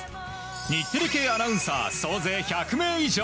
日テレ系アナウンサー総勢１００名以上。